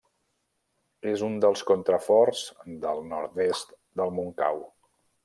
És un dels contraforts del nord-est del Montcau.